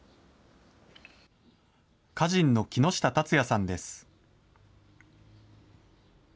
歌人の木下龍也さんです。